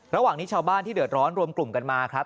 ระหว่างนี้ชาวบ้านที่เดือดร้อนรวมกลุ่มกันมาครับ